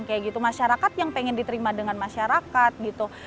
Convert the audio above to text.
kayak gitu masyarakat yang pengen diterima dengan masyarakat gitu